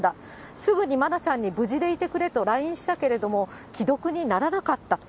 すぐに真菜さんに無事でいてくれとＬＩＮＥしたけれども、既読にならなかった。